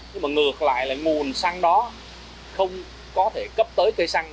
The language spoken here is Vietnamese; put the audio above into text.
nhưng mà ngược lại là nguồn xăng đó không có thể cấp tới cây xăng